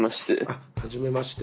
あはじめまして。